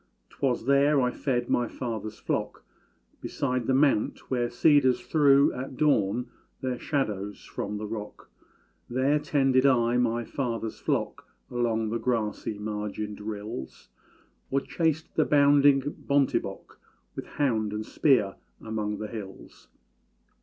'Twas there I fed my father's flock, Beside the mount where cedars threw At dawn their shadows from the rock; There tended I my father's flock Along the grassy margined rills, Or chased the bounding bontébok With hound and spear among the hills.